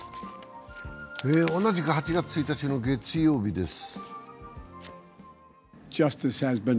同じく８月１日の月曜日です。